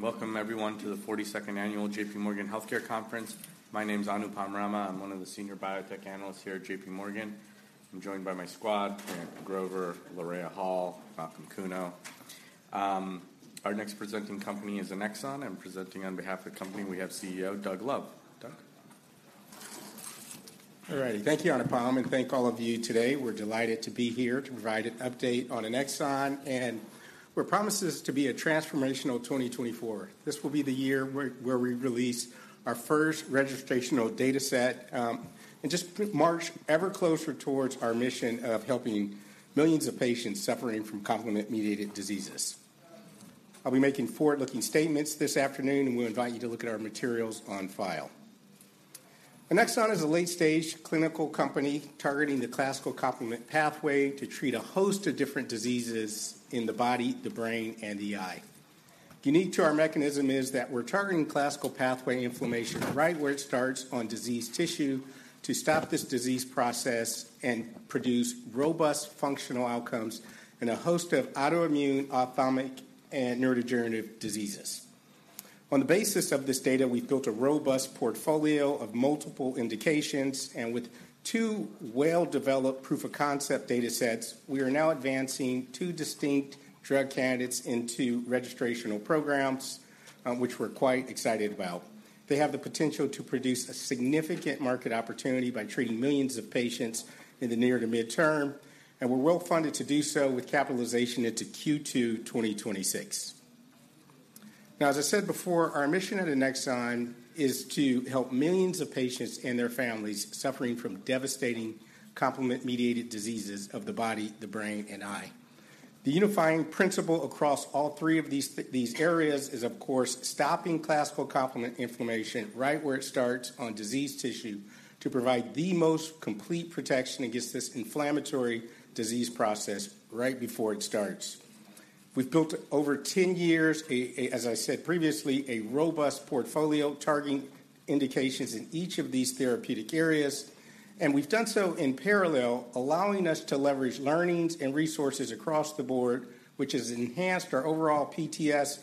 Welcome everyone to the 42nd annual JPMorgan Healthcare Conference. My name's Anupam Rama. I'm one of the senior biotech analysts here at JPMorgan. I'm joined by my squad, Grant Grover, [Lorea] Hall, Malcolm Kuno. Our next presenting company is Annexon, and presenting on behalf of the company, we have CEO Doug Love. Doug? All righty. Thank you, Anupam, and thank all of you today. We're delighted to be here to provide an update on Annexon and what promises to be a transformational 2024. This will be the year where we release our first registrational dataset, and just march ever closer towards our mission of helping millions of patients suffering from complement-mediated diseases. I'll be making forward-looking statements this afternoon, and we invite you to look at our materials on file. Annexon is a late-stage clinical company targeting the classical complement pathway to treat a host of different diseases in the body, the brain, and the eye. Unique to our mechanism is that we're targeting classical pathway inflammation right where it starts on diseased tissue, to stop this disease process and produce robust functional outcomes in a host of autoimmune, ophthalmic, and neurodegenerative diseases. On the basis of this data, we've built a robust portfolio of multiple indications, and with two well-developed proof-of-concept datasets, we are now advancing two distinct drug candidates into registrational programs, which we're quite excited about. They have the potential to produce a significant market opportunity by treating millions of patients in the near to mid-term, and we're well-funded to do so with capitalization into Q2 2026. Now, as I said before, our mission at Annexon is to help millions of patients and their families suffering from devastating complement-mediated diseases of the body, the brain, and eye. The unifying principle across all three of these areas is, of course, stopping classical complement inflammation right where it starts on diseased tissue, to provide the most complete protection against this inflammatory disease process right before it starts. We've built, over 10 years, as I said previously, a robust portfolio targeting indications in each of these therapeutic areas, and we've done so in parallel, allowing us to leverage learnings and resources across the board, which has enhanced our overall PTS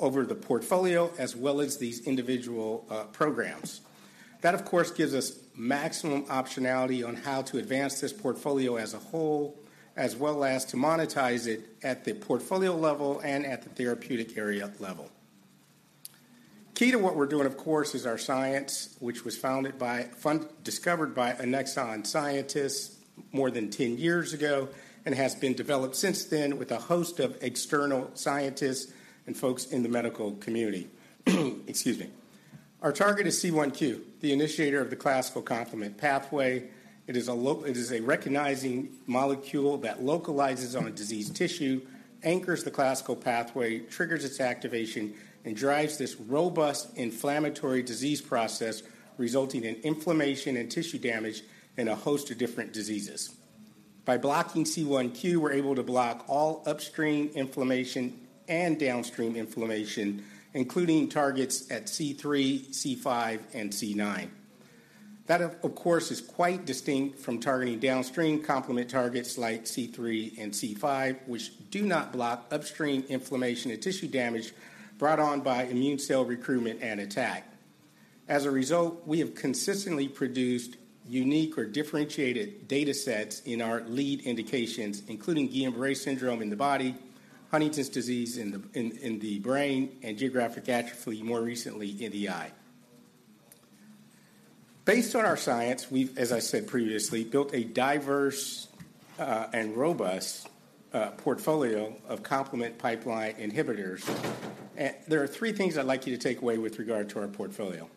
over the portfolio, as well as these individual programs. That, of course, gives us maximum optionality on how to advance this portfolio as a whole, as well as to monetize it at the portfolio level and at the therapeutic area level. Key to what we're doing, of course, is our science, which was discovered by Annexon scientists more than 10 years ago and has been developed since then with a host of external scientists and folks in the medical community. Excuse me. Our target is C1q, the initiator of the classical complement pathway. It is a recognizing molecule that localizes on a diseased tissue, anchors the classical pathway, triggers its activation, and drives this robust inflammatory disease process, resulting in inflammation and tissue damage in a host of different diseases. By blocking C1q, we're able to block all upstream inflammation and downstream inflammation, including targets at C3, C5, and C9. That, of course, is quite distinct from targeting downstream complement targets like C3 and C5, which do not block upstream inflammation and tissue damage brought on by immune cell recruitment and attack. As a result, we have consistently produced unique or differentiated datasets in our lead indications, including Guillain-Barré syndrome in the body, Huntington's disease in the brain, and geographic atrophy, more recently, in the eye. Based on our science, we've, as I said previously, built a diverse and robust portfolio of complement pipeline inhibitors. There are three things I'd like you to take away with regard to our portfolio.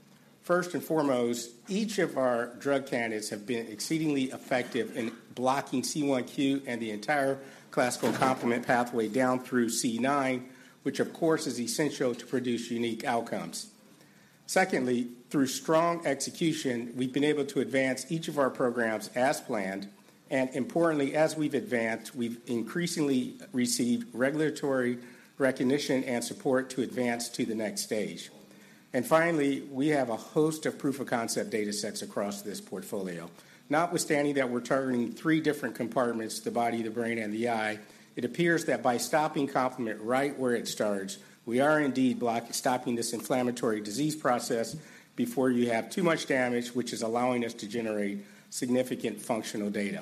First and foremost, each of our drug candidates have been exceedingly effective in blocking C1q and the entire Classical Complement Pathway down through C9, which, of course, is essential to produce unique outcomes. Secondly, through strong execution, we've been able to advance each of our programs as planned, and importantly, as we've advanced, we've increasingly received regulatory recognition and support to advance to the next stage. And finally, we have a host of proof-of-concept datasets across this portfolio. Notwithstanding that we're targeting three different compartments, the body, the brain, and the eye, it appears that by stopping complement right where it starts, we are indeed stopping this inflammatory disease process before you have too much damage, which is allowing us to generate significant functional data.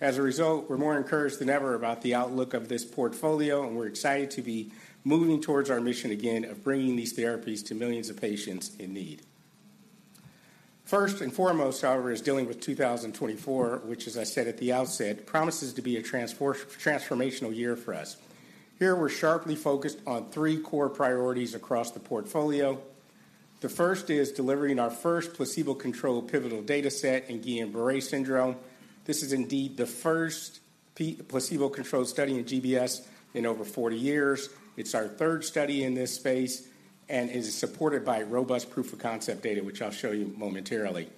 As a result, we're more encouraged than ever about the outlook of this portfolio, and we're excited to be moving towards our mission again of bringing these therapies to millions of patients in need. First and foremost, however, is dealing with 2024, which, as I said at the outset, promises to be a transformational year for us. Here, we're sharply focused on three core priorities across the portfolio. The first is delivering our first placebo-controlled pivotal dataset in Guillain-Barré syndrome. This is indeed the first placebo-controlled study in GBS in over 40 years. It's our third study in this space and is supported by robust proof-of-concept data, which I'll show you momentarily.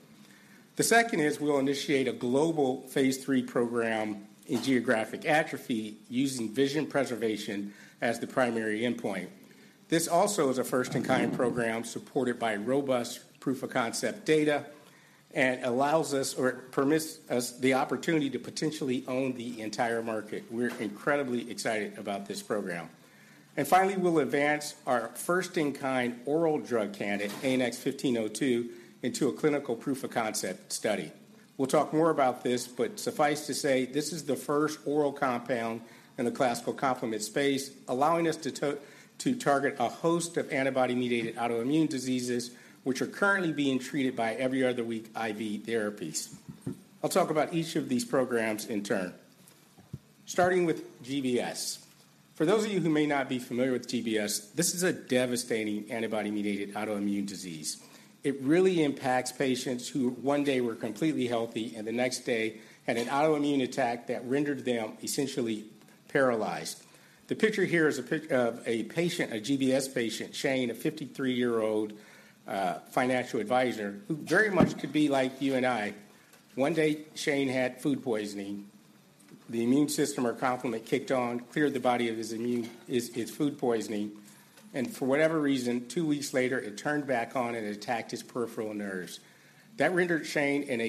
The second is we'll initiate a global phase III program in geographic atrophy, using vision preservation as the primary endpoint. This also is a first-in-kind program, supported by robust proof-of-concept data... and allows us, or it permits us the opportunity to potentially own the entire market. We're incredibly excited about this program. Finally, we'll advance our first-in-kind oral drug candidate, ANX1502, into a clinical proof of concept study. We'll talk more about this, but suffice to say, this is the first oral compound in the classical complement space, allowing us to target a host of antibody-mediated autoimmune diseases, which are currently being treated by every other week IV therapies. I'll talk about each of these programs in turn, starting with GBS. For those of you who may not be familiar with GBS, this is a devastating antibody-mediated autoimmune disease. It really impacts patients who one day were completely healthy, and the next day, had an autoimmune attack that rendered them essentially paralyzed. The picture here is a pic of a patient, a GBS patient, Shane, a 53-year-old financial advisor, who very much could be like you and I. One day, Shane had food poisoning. The immune system or complement kicked on, cleared the body of his food poisoning, and for whatever reason, two weeks later, it turned back on and attacked his peripheral nerves. That rendered Shane in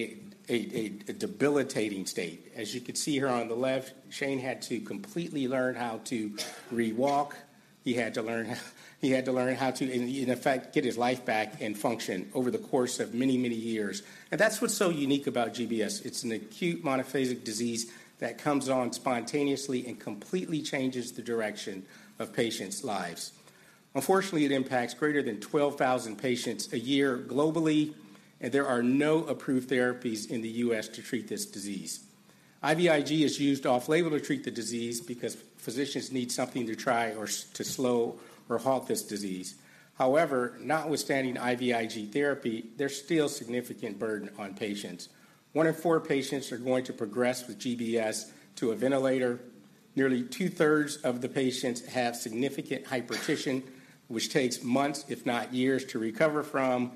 a debilitating state. As you can see here on the left, Shane had to completely learn how to rewalk. He had to learn how to, in effect, get his life back and function over the course of many, many years. And that's what's so unique about GBS. It's an acute monophasic disease that comes on spontaneously and completely changes the direction of patients' lives. Unfortunately, it impacts greater than 12,000 patients a year globally, and there are no approved therapies in the U.S. to treat this disease. IVIG is used off-label to treat the disease because physicians need something to try or to slow or halt this disease. However, notwithstanding IVIG therapy, there's still significant burden on patients. One in four patients are going to progress with GBS to a ventilator. Nearly two-thirds of the patients have significant hypertension, which takes months, if not years, to recover from.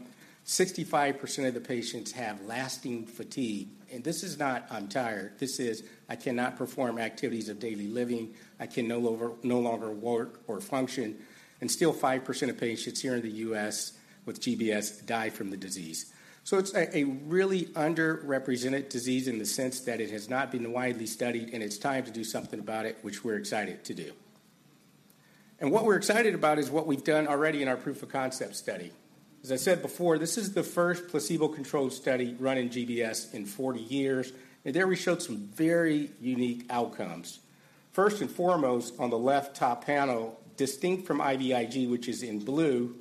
65% of the patients have lasting fatigue, and this is not, "I'm tired." This is: "I cannot perform activities of daily living. I can no longer work or function." And still, 5% of patients here in the U.S. with GBS die from the disease. So it's a really underrepresented disease in the sense that it has not been widely studied, and it's time to do something about it, which we're excited to do. And what we're excited about is what we've done already in our proof of concept study. As I said before, this is the first placebo-controlled study run in GBS in 40 years, and there we showed some very unique outcomes. First and foremost, on the left top panel, distinct from IVIG, which is in blue,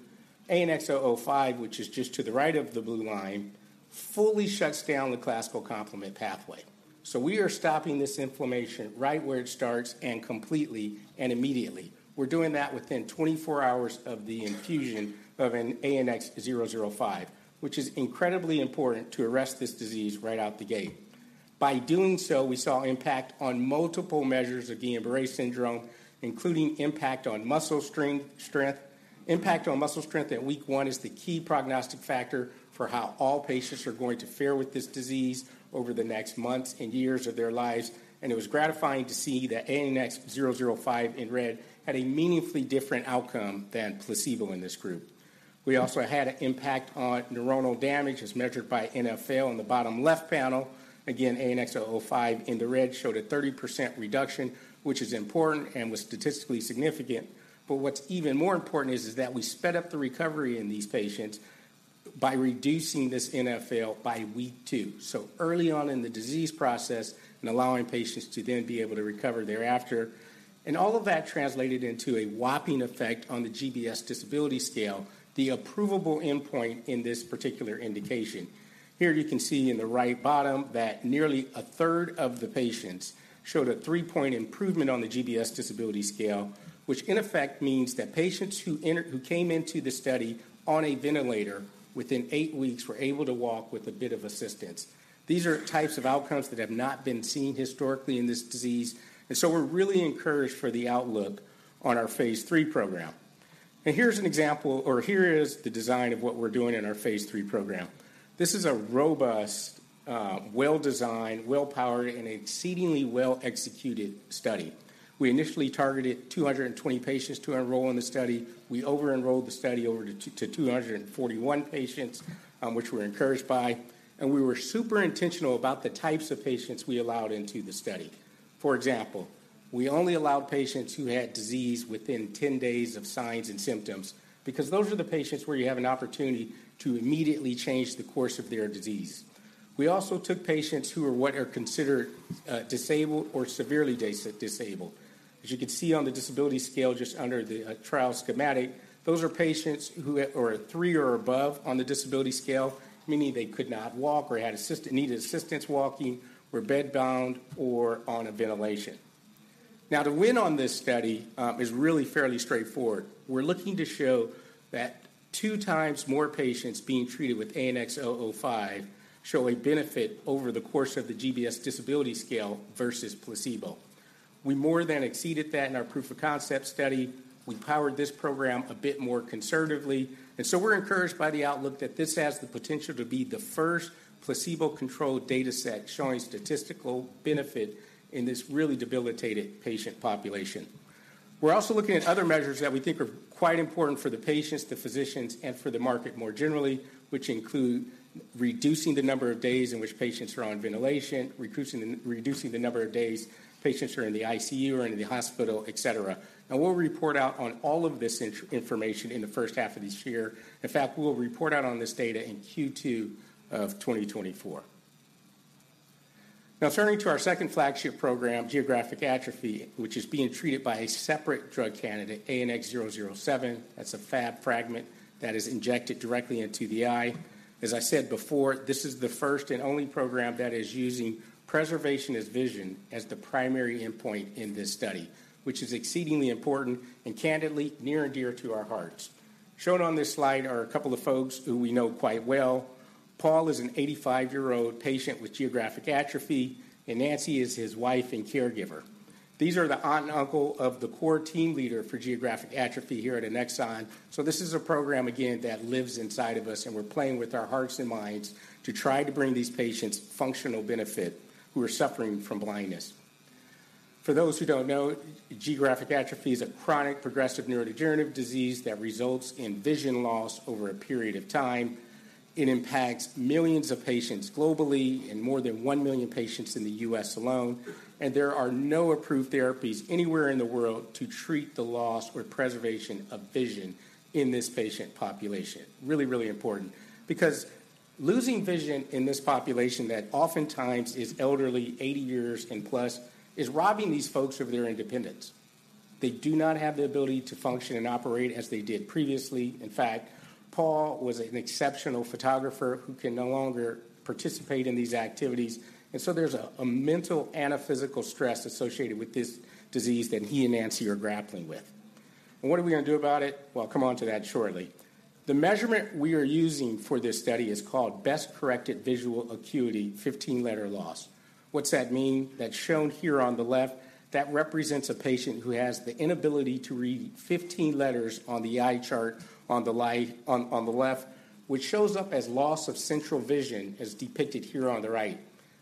ANX005, which is just to the right of the blue line, fully shuts down the classical complement pathway. So we are stopping this inflammation right where it starts and completely and immediately. We're doing that within 24 hours of the infusion of an ANX005, which is incredibly important to arrest this disease right out the gate. By doing so, we saw impact on multiple measures of Guillain-Barré syndrome, including impact on muscle strength. Impact on muscle strength at week 1 is the key prognostic factor for how all patients are going to fare with this disease over the next months and years of their lives, and it was gratifying to see that ANX005 in red had a meaningfully different outcome than placebo in this group. We also had an impact on neuronal damage, as measured by NfL on the bottom left panel. Again, ANX005 in the red showed a 30% reduction, which is important and was statistically significant. But what's even more important is that we sped up the recovery in these patients by reducing this NfL by week 2, so early on in the disease process and allowing patients to then be able to recover thereafter. And all of that translated into a whopping effect on the GBS Disability Scale, the approvable endpoint in this particular indication. Here you can see in the right bottom that nearly a third of the patients showed a 3-point improvement on the GBS Disability Scale, which in effect means that patients who entered, who came into the study on a ventilator, within eight weeks were able to walk with a bit of assistance. These are types of outcomes that have not been seen historically in this disease, and so we're really encouraged for the outlook on our phase III program. Here's an example, or here is the design of what we're doing in our phase III program. This is a robust, well-designed, well-powered, and exceedingly well-executed study. We initially targeted 220 patients to enroll in the study. We over-enrolled the study over to two, to 241 patients, which we're encouraged by, and we were super intentional about the types of patients we allowed into the study. For example, we only allowed patients who had disease within 10 days of signs and symptoms because those are the patients where you have an opportunity to immediately change the course of their disease. We also took patients who are what are considered disabled or severely disabled. As you can see on the disability scale, just under the trial schematic, those are patients who are at 3 or above on the disability scale, meaning they could not walk or needed assistance walking, were bedbound, or on a ventilation. Now, the win on this study is really fairly straightforward. We're looking to show that 2x more patients being treated with ANX005 show a benefit over the course of the GBS Disability Scale versus placebo. We more than exceeded that in our proof of concept study. We powered this program a bit more conservatively, and so we're encouraged by the outlook that this has the potential to be the first placebo-controlled data set showing statistical benefit in this really debilitated patient population. We're also looking at other measures that we think are quite important for the patients, the physicians, and for the market more generally, which include reducing the number of days in which patients are on ventilation, reducing the number of days patients are in the ICU or in the hospital, et cetera. Now, we'll report out on all of this information in the first half of this year. In fact, we will report out on this data in Q2 of 2024. Now, turning to our second flagship program, geographic atrophy, which is being treated by a separate drug candidate, ANX007. That's a Fab fragment that is injected directly into the eye. As I said before, this is the first and only program that is using preservation as vision as the primary endpoint in this study, which is exceedingly important and candidly near and dear to our hearts. Shown on this slide are a couple of folks who we know quite well. Paul is an 85-year-old patient with geographic atrophy, and Nancy is his wife and caregiver. These are the aunt and uncle of the core team leader for geographic atrophy here at Annexon. So this is a program, again, that lives inside of us, and we're playing with our hearts and minds to try to bring these patients functional benefit who are suffering from blindness. For those who don't know, geographic atrophy is a chronic, progressive neurodegenerative disease that results in vision loss over a period of time. It impacts millions of patients globally and more than 1 million patients in the U.S. alone, and there are no approved therapies anywhere in the world to treat the loss or preservation of vision in this patient population. Really, really important because losing vision in this population that oftentimes is elderly, 80 years and plus, is robbing these folks of their independence. They do not have the ability to function and operate as they did previously. In fact, Paul was an exceptional photographer who can no longer participate in these activities, and so there's a mental and a physical stress associated with this disease that he and Nancy are grappling with. And what are we gonna do about it? Well, I'll come on to that shortly. The measurement we are using for this study is called Best Corrected Visual Acuity 15-letter loss. What's that mean? That's shown here on the left. That represents a patient who has the inability to read 15 letters on the eye chart, on the light, on the left, which shows up as loss of central vision, as depicted here on the right.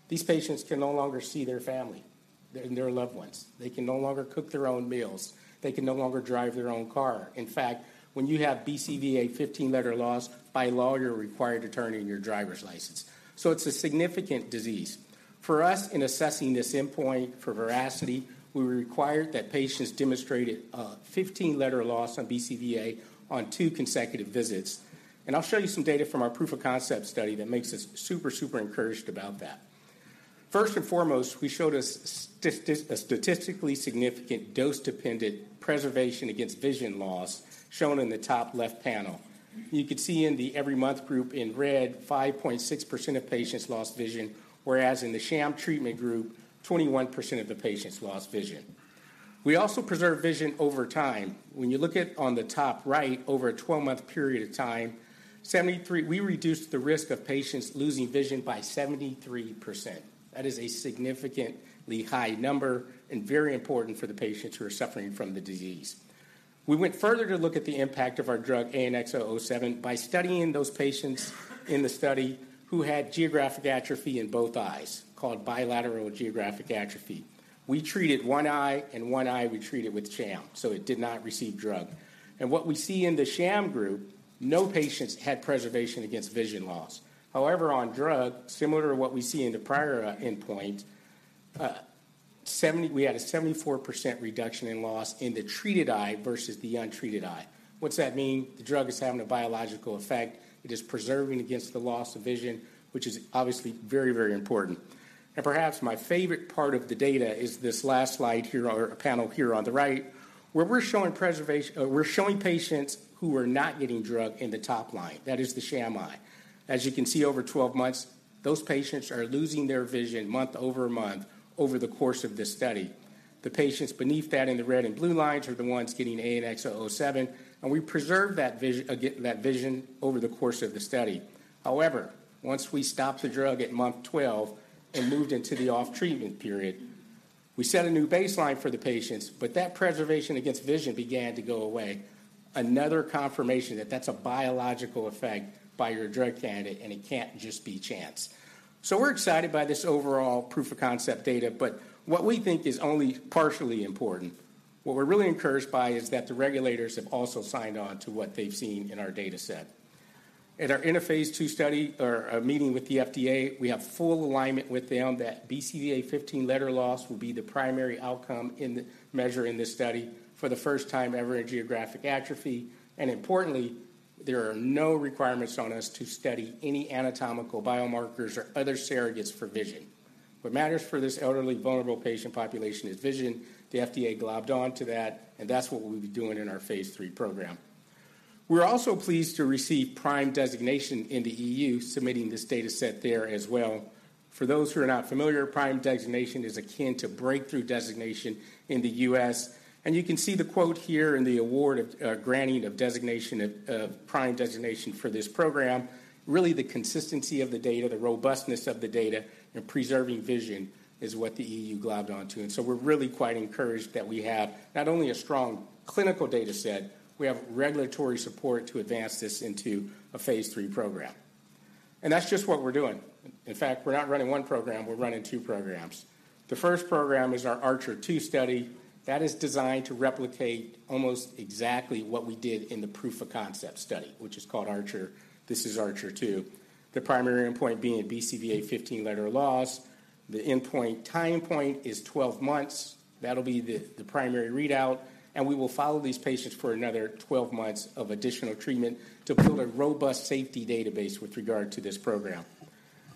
These patients can no longer see their family and their loved ones. They can no longer cook their own meals. They can no longer drive their own car. In fact, when you have BCVA 15-letter loss, by law, you're required to turn in your driver's license, so it's a significant disease. For us, in assessing this endpoint for veracity, we required that patients demonstrated 15-letter loss on BCVA on two consecutive visits. And I'll show you some data from our proof of concept study that makes us super, super encouraged about that. First and foremost, we showed a statistically significant dose-dependent preservation against vision loss, shown in the top left panel. You can see in the every month group in red, 5.6% of patients lost vision, whereas in the sham treatment group, 21% of the patients lost vision. We also preserved vision over time. When you look at on the top right, over a 12-month period of time, 73-- we reduced the risk of patients losing vision by 73%. That is a significantly high number and very important for the patients who are suffering from the disease. We went further to look at the impact of our drug, ANX007, by studying those patients in the study who had geographic atrophy in both eyes, called bilateral geographic atrophy. We treated one eye, and one eye we treated with sham, so it did not receive drug. And what we see in the sham group, no patients had preservation against vision loss. However, on drug, similar to what we see in the prior endpoint, we had a 74% reduction in loss in the treated eye versus the untreated eye. What's that mean? The drug is having a biological effect. It is preserving against the loss of vision, which is obviously very, very important. And perhaps my favorite part of the data is this last slide here or panel here on the right, where we're showing patients who are not getting drug in the top line. That is the sham eye. As you can see, over 12 months, those patients are losing their vision month-over-month over the course of this study. The patients beneath that in the red and blue lines are the ones getting ANX007, and we preserved that vision, again, that vision over the course of the study. However, once we stopped the drug at month 12 and moved into the off-treatment period, we set a new baseline for the patients, but that preservation against vision began to go away. Another confirmation that that's a biological effect by your drug candidate, and it can't just be chance. So we're excited by this overall proof of concept data, but what we think is only partially important, what we're really encouraged by is that the regulators have also signed on to what they've seen in our data set. In our phase II study or a meeting with the FDA, we have full alignment with them that BCVA 15-letter loss will be the primary outcome in the measure in this study for the first time ever in geographic atrophy. Importantly, there are no requirements on us to study any anatomical biomarkers or other surrogates for vision. What matters for this elderly, vulnerable patient population is vision. The FDA globbed on to that, and that's what we'll be doing in our phase III program. We're also pleased to receive PRIME designation in the E.U., submitting this data set there as well. For those who are not familiar, PRIME designation is akin to breakthrough designation in the U.S., and you can see the quote here in the award of, granting of designation of, of PRIME designation for this program. Really, the consistency of the data, the robustness of the data, and preserving vision is what the EU globbed on to, and so we're really quite encouraged that we have not only a strong clinical data set, we have regulatory support to advance this into a phase III program. That's just what we're doing. In fact, we're not running one program, we're running two programs. The first program is our ARCHER II study. That is designed to replicate almost exactly what we did in the proof of concept study, which is called ARCHER. This is ARCHER II. The primary endpoint being BCVA 15-letter loss. The endpoint, time point is 12 months. That'll be the primary readout, and we will follow these patients for another 12 months of additional treatment to build a robust safety database with regard to this program.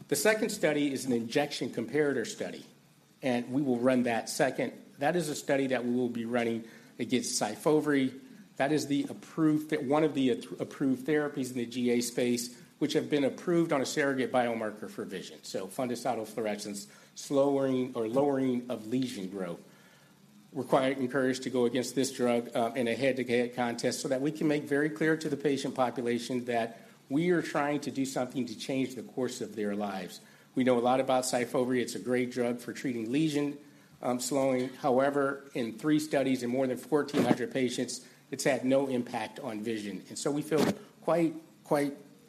The second study is an injection comparator study, and we will run that second. That is a study that we will be running against SYFOVRE. That is one of the approved therapies in the GA space, which have been approved on a surrogate biomarker for vision. So fundus autofluorescence, slowing or lowering of lesion growth. We're quite encouraged to go against this drug in a head-to-head contest so that we can make very clear to the patient population that we are trying to do something to change the course of their lives. We know a lot about SYFOVRE. It's a great drug for treating lesion slowing. However, in three studies, in more than 1,400 patients, it's had no impact on vision, and so we feel quite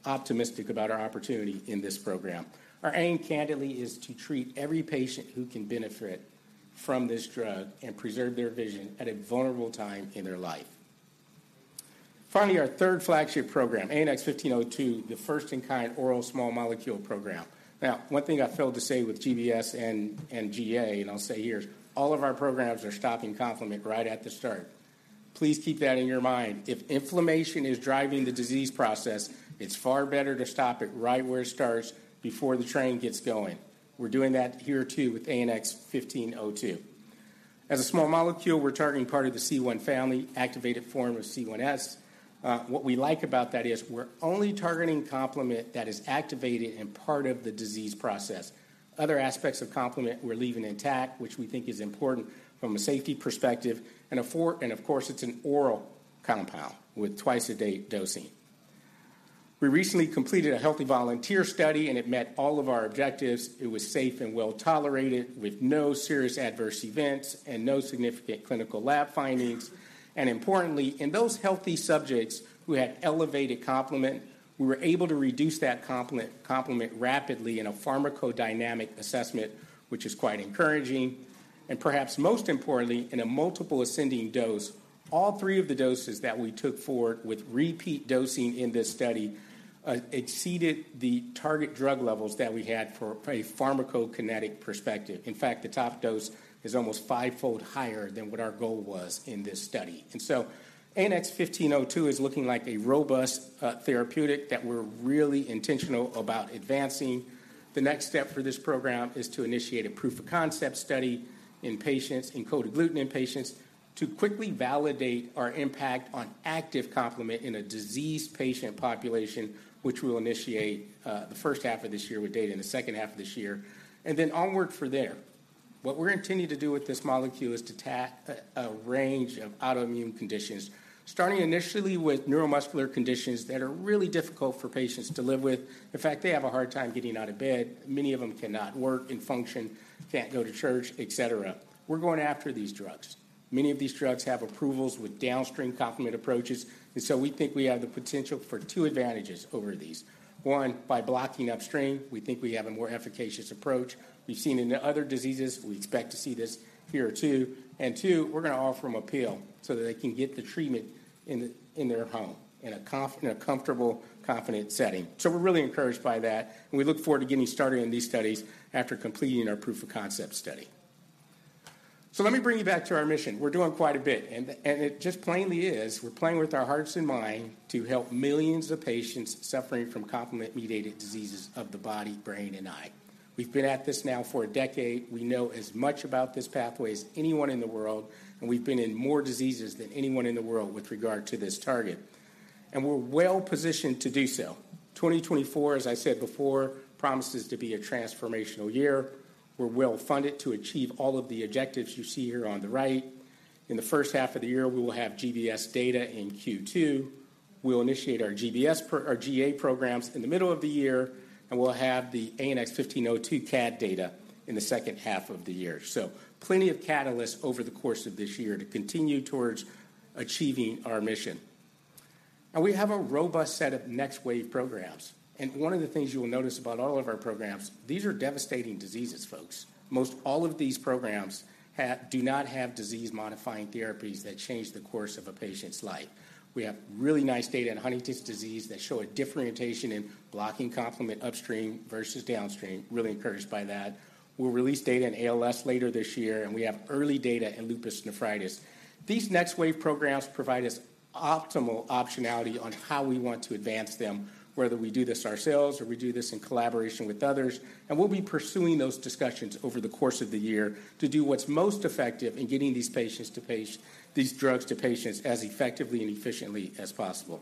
optimistic about our opportunity in this program. Our aim, candidly, is to treat every patient who can benefit from this drug and preserve their vision at a vulnerable time in their life. Finally, our third flagship program, ANX1502, the first-in-kind oral small molecule program. Now, one thing I failed to say with GBS and GA, and I'll say here, all of our programs are stopping complement right at the start. Please keep that in your mind. If inflammation is driving the disease process, it's far better to stop it right where it starts before the train gets going. We're doing that here, too, with ANX1502. As a small molecule, we're targeting part of the C1 family, activated form of C1s. What we like about that is we're only targeting complement that is activated in part of the disease process. Other aspects of complement we're leaving intact, which we think is important from a safety perspective, and affords, and of course, it's an oral compound with twice-a-day dosing. We recently completed a healthy volunteer study, and it met all of our objectives. It was safe and well-tolerated, with no serious adverse events and no significant clinical lab findings. And importantly, in those healthy subjects who had elevated complement, we were able to reduce that complement rapidly in a pharmacodynamic assessment, which is quite encouraging. And perhaps most importantly, in a multiple ascending dose, all three of the doses that we took forward with repeat dosing in this study exceeded the target drug levels that we had for a pharmacokinetic perspective. In fact, the top dose is almost fivefold higher than what our goal was in this study. ANX1502 is looking like a robust therapeutic that we're really intentional about advancing. The next step for this program is to initiate a proof of concept study in patients, in cold agglutinin patients, to quickly validate our impact on active complement in a diseased patient population, which we'll initiate the first half of this year with data in the second half of this year, and then onward from there. What we're continuing to do with this molecule is to attack a range of autoimmune conditions, starting initially with neuromuscular conditions that are really difficult for patients to live with. In fact, they have a hard time getting out of bed. Many of them cannot work and function, can't go to church, et cetera. We're going after these drugs. Many of these drugs have approvals with downstream complement approaches, and so we think we have the potential for two advantages over these. One, by blocking upstream, we think we have a more efficacious approach. We've seen it in other diseases. We expect to see this here, too. And two, we're gonna offer them a pill so that they can get the treatment in their home, in a comfortable, confident setting. So we're really encouraged by that, and we look forward to getting started on these studies after completing our proof of concept study. So let me bring you back to our mission. We're doing quite a bit, and it just plainly is. We're playing with our hearts and mind to help millions of patients suffering from complement-mediated diseases of the body, brain, and eye. We've been at this now for a decade. We know as much about this pathway as anyone in the world, and we've been in more diseases than anyone in the world with regard to this target, and we're well-positioned to do so. 2024, as I said before, promises to be a transformational year. We're well-funded to achieve all of the objectives you see here on the right. In the first half of the year, we will have GBS data in Q2. We'll initiate our GA programs in the middle of the year, and we'll have the ANX1502 CAD data in the second half of the year. So plenty of catalysts over the course of this year to continue towards achieving our mission. And we have a robust set of next-wave programs, and one of the things you will notice about all of our programs, these are devastating diseases, folks. Most all of these programs do not have disease-modifying therapies that change the course of a patient's life. We have really nice data in Huntington's disease that show a differentiation in blocking complement upstream versus downstream. Really encouraged by that. We'll release data in ALS later this year, and we have early data in lupus nephritis. These next-wave programs provide us optimal optionality on how we want to advance them, whether we do this ourselves or we do this in collaboration with others. And we'll be pursuing those discussions over the course of the year to do what's most effective in getting these drugs to patients as effectively and efficiently as possible.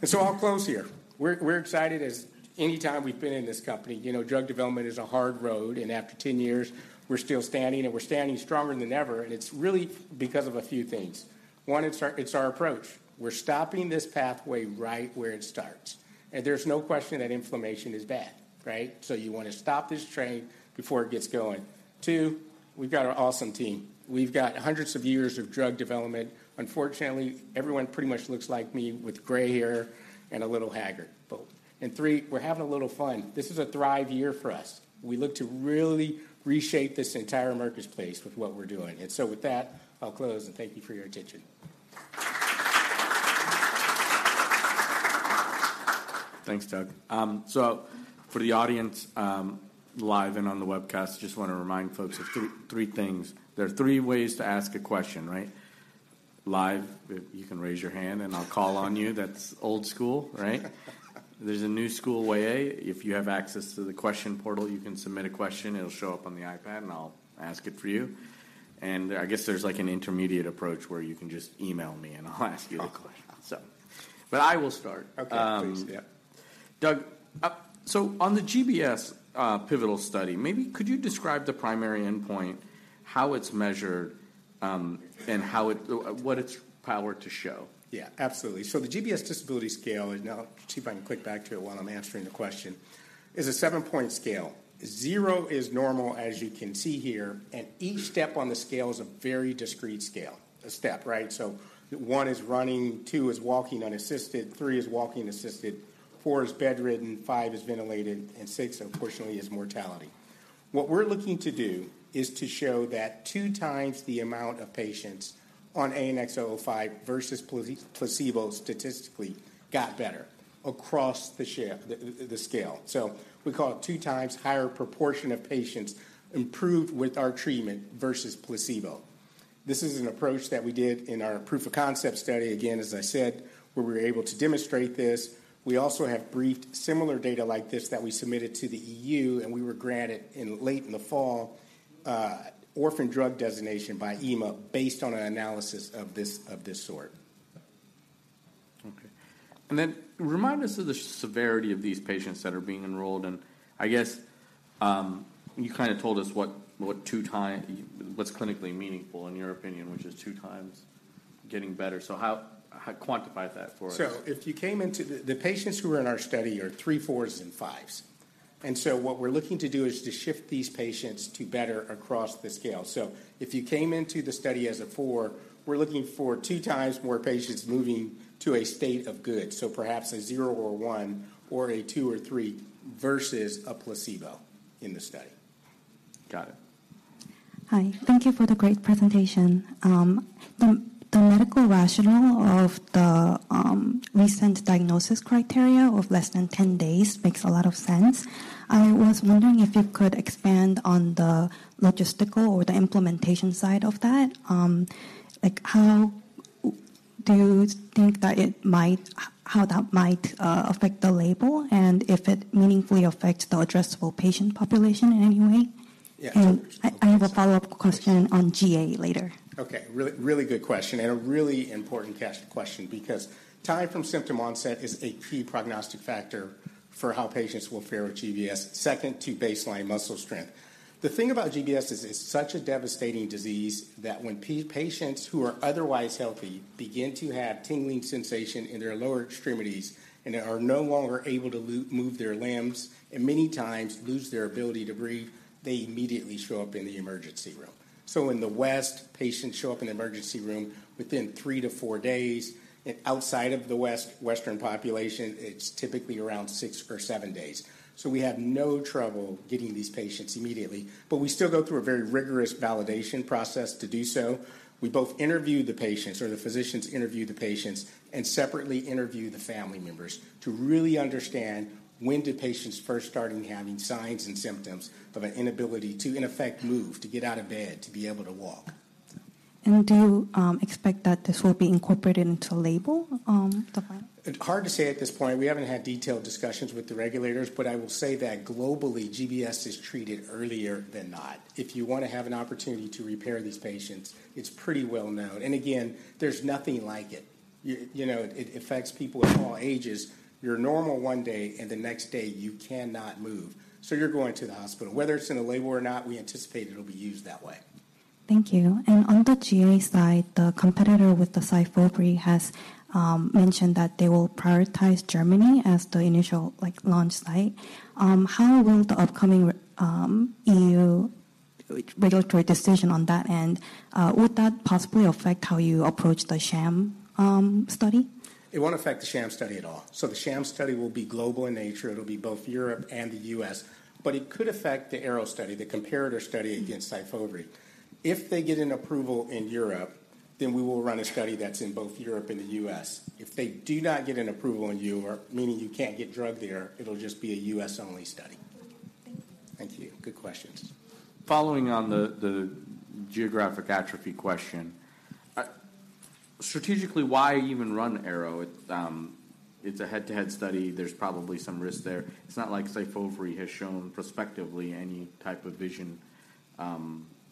And so I'll close here. We're, we're excited as any time we've been in this company. You know, drug development is a hard road, and after 10 years, we're still standing, and we're standing stronger than ever, and it's really because of a few things. One, it's our approach. We're stopping this pathway right where it starts, and there's no question that inflammation is bad, right? So you want to stop this train before it gets going. Two, we've got an awesome team. We've got hundreds of years of drug development. Unfortunately, everyone pretty much looks like me with gray hair and a little haggard. But... and three, we're having a little fun. This is a thrive year for us. We look to really reshape this entire marketplace with what we're doing. And so with that, I'll close, and thank you for your attention. Thanks, Doug. So for the audience, live and on the webcast, I just wanna remind folks of three things. There are three ways to ask a question, right? Live, you can raise your hand, and I'll call on you. That's old school, right? There's a new school way. If you have access to the question portal, you can submit a question. It'll show up on the iPad, and I'll ask it for you. And I guess there's, like, an intermediate approach where you can just email me, and I'll ask you the question. So, but I will start. Okay, please. Yeah. Doug, so on the GBS pivotal study, maybe could you describe the primary endpoint, how it's measured, and how it—what it's power to show? Yeah, absolutely. So the GBS Disability Scale, and I'll see if I can click back to it while I'm answering the question, is a seven-point scale. Zero is normal, as you can see here, and each step on the scale is a very discrete scale, a step, right? So one is running, two is walking unassisted, three is walking assisted, four is bedridden, five is ventilated, and six, unfortunately, is mortality. What we're looking to do is to show that 2x the amount of patients on ANX005 versus placebo statistically got better across the shift, the scale. So we call it 2x higher proportion of patients improved with our treatment versus placebo. This is an approach that we did in our proof of concept study, again, as I said, where we were able to demonstrate this. We also have briefed similar data like this that we submitted to the EU, and we were granted in late fall orphan drug designation by EMA, based on an analysis of this, of this sort. Okay. And then remind us of the severity of these patients that are being enrolled, and I guess you kinda told us what's clinically meaningful in your opinion, which is 2x getting better. So how quantify that for us. The patients who are in our study are 3s, 4s, and 5s, and so what we're looking to do is to shift these patients to better across the scale. So if you came into the study as a 4, we're looking for 2x more patients moving to a state of good, so perhaps a 0 or a 1 or a 2 or 3 versus a placebo in the study. Got it. Hi, thank you for the great presentation. The medical rationale of the recent diagnosis criteria of less than 10 days makes a lot of sense. I was wondering if you could expand on the logistical or the implementation side of that. Like, how do you think that it might... how that might affect the label, and if it meaningfully affects the addressable patient population in any way? Yeah. I have a follow-up question on GA later. Okay. Really, really good question, and a really important question because time from symptom onset is a key prognostic factor for how patients will fare with GBS, second to baseline muscle strength. The thing about GBS is it's such a devastating disease that when patients who are otherwise healthy begin to have tingling sensation in their lower extremities and are no longer able to move their limbs and many times lose their ability to breathe, they immediately show up in the emergency room. So in the West, patients show up in the emergency room within three to four days, and outside of the West, Western population, it's typically around six or seven days. So we have no trouble getting these patients immediately, but we still go through a very rigorous validation process to do so. We both interview the patients, or the physicians interview the patients, and separately interview the family members to really understand when did patients first starting having signs and symptoms of an inability to, in effect, move, to get out of bed, to be able to walk. Do you expect that this will be incorporated into label, the final? It's hard to say at this point. We haven't had detailed discussions with the regulators, but I will say that globally, GBS is treated earlier than not. If you wanna have an opportunity to repair these patients, it's pretty well known. And again, there's nothing like it. You know, it affects people of all ages. You're normal one day, and the next day you cannot move, so you're going to the hospital. Whether it's in a label or not, we anticipate it'll be used that way. Thank you. And on the GA slide, the competitor with the SYFOVRE has mentioned that they will prioritize Germany as the initial, like, launch site. How will the upcoming EU regulatory decision on that end? Would that possibly affect how you approach the sham study? It won't affect the sham study at all. The sham study will be global in nature. It'll be both Europe and the U.S., but it could affect the ARROW study, the comparator study against SYFOVRE. If they get an approval in Europe, then we will run a study that's in both Europe and the U.S. If they do not get an approval in Europe, meaning you can't get drug there, it'll just be a U.S.-only study. Okay, thank you. Thank you. Good questions. Following on the geographic atrophy question, strategically, why even run ARROW? It's a head-to-head study. There's probably some risk there. It's not like SYFOVRE has shown prospectively any type of vision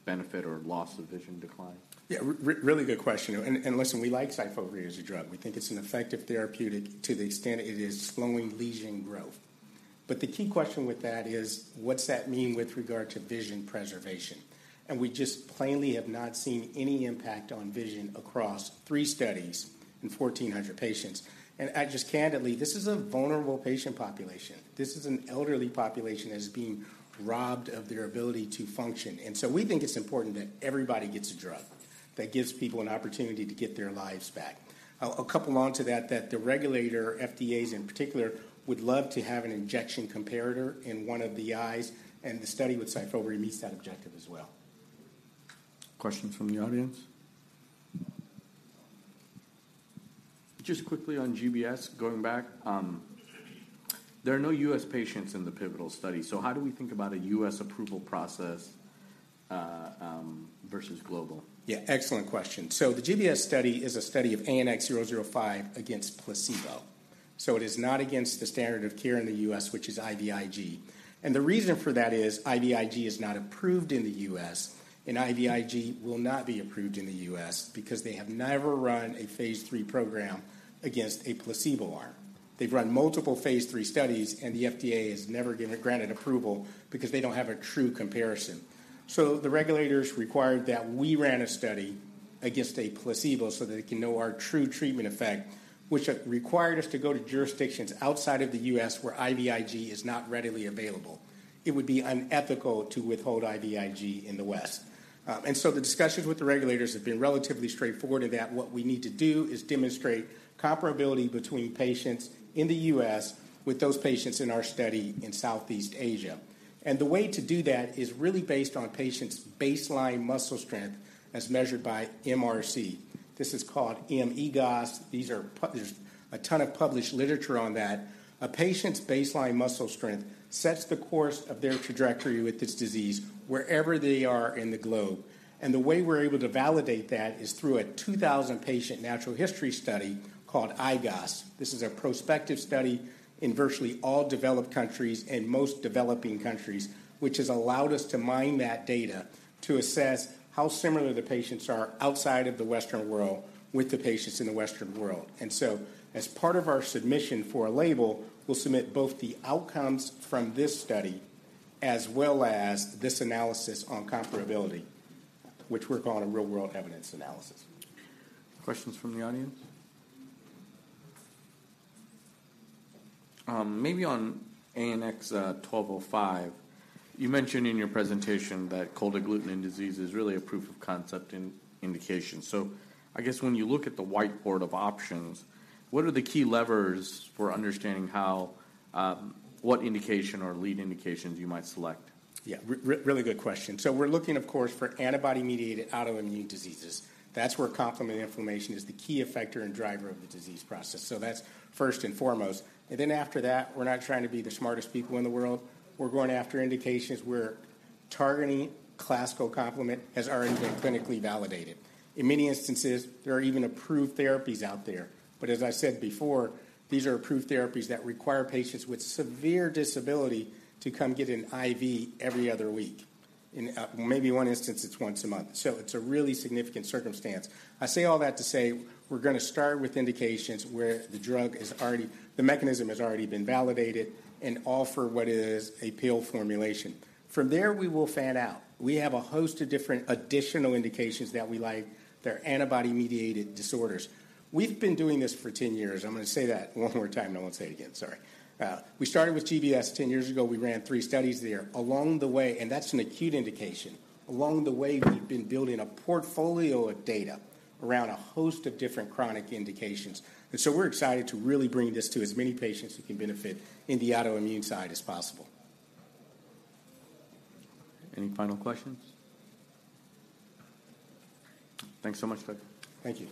benefit or loss of vision decline. Yeah, really good question, and listen, we like SYFOVRE as a drug. We think it's an effective therapeutic to the extent it is slowing lesion growth. But the key question with that is: What's that mean with regard to vision preservation? And we just plainly have not seen any impact on vision across three studies in 1,400 patients. And I just... Candidly, this is a vulnerable patient population. This is an elderly population that's being robbed of their ability to function, and so we think it's important that everybody gets a drug that gives people an opportunity to get their lives back. A couple onto that, the regulator, FDA's in particular, would love to have an injection comparator in one of the eyes, and the study with SYFOVRE meets that objective as well. Questions from the audience? Just quickly on GBS, going back, there are no U.S. patients in the pivotal study, so how do we think about a U.S. approval process versus global? Yeah, excellent question. So the GBS study is a study of ANX005 against placebo. So it is not against the standard of care in the U.S., which is IVIG. And the reason for that is IVIG is not approved in the U.S., and IVIG will not be approved in the U.S. because they have never run a phase III program against a placebo arm. They've run multiple phase III studies, and the FDA has never given—granted approval because they don't have a true comparison. So the regulators required that we ran a study against a placebo so that they can know our true treatment effect, which required us to go to jurisdictions outside of the U.S. where IVIG is not readily available. It would be unethical to withhold IVIG in the West. and so the discussions with the regulators have been relatively straightforward, in that what we need to do is demonstrate comparability between patients in the U.S. with those patients in our study in Southeast Asia. And the way to do that is really based on a patient's baseline muscle strength as measured by MRC. This is called mEGOS. There's a ton of published literature on that. A patient's baseline muscle strength sets the course of their trajectory with this disease wherever they are in the globe. And the way we're able to validate that is through a 2,000-patient natural history study called IGOS. This is a prospective study in virtually all developed countries and most developing countries, which has allowed us to mine that data to assess how similar the patients are outside of the Western world with the patients in the Western world. As part of our submission for a label, we'll submit both the outcomes from this study as well as this analysis on comparability, which we're calling a real-world evidence analysis. Questions from the audience? Maybe on ANX1502, you mentioned in your presentation that cold agglutinin disease is really a proof of concept in indication. So I guess when you look at the whiteboard of options, what are the key levers for understanding how... what indication or lead indications you might select? Yeah, really good question. So we're looking, of course, for antibody-mediated autoimmune diseases. That's where complement inflammation is the key effector and driver of the disease process, so that's first and foremost. And then after that, we're not trying to be the smartest people in the world. We're going after indications where targeting classical complement has already been clinically validated. In many instances, there are even approved therapies out there. But as I said before, these are approved therapies that require patients with severe disability to come get an IV every other week. In maybe one instance, it's once a month. So it's a really significant circumstance. I say all that to say we're gonna start with indications where the mechanism has already been validated and offer what is a pill formulation. From there, we will fan out. We have a host of different additional indications that we like. They're antibody-mediated disorders. We've been doing this for 10 years. I'm gonna say that one more time, and I won't say it again. Sorry. We started with GBS 10 years ago. We ran three studies there. Along the way, that's an acute indication. Along the way, we've been building a portfolio of data around a host of different chronic indications, and so we're excited to really bring this to as many patients who can benefit in the autoimmune side as possible. Any final questions? Thanks so much, Doug. Thank you.